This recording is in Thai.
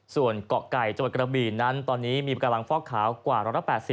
ส่วนเกาะไก่จังหวัดกระบีนั้นตอนนี้มีกำลังฟอกขาวกว่า๑๘๐